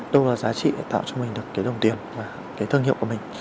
đâu là giá trị tạo cho mình được cái đồng tiền và cái thương hiệu của mình